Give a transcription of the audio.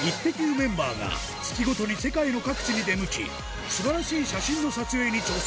メンバーが月ごとに世界の各地に出向き素晴らしい写真の撮影に挑戦